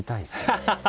ハハハ！